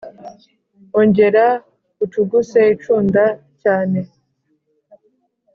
Ongera ucuguse incunda cyane